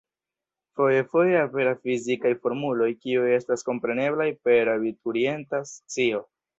Fojfoje aperas fizikaj formuloj, kiuj estas kompreneblaj per abiturienta scio.